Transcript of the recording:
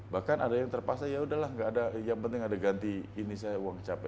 bahkan ada yang terpaksa yaudahlah nggak ada yang penting ada ganti ini saya uang capek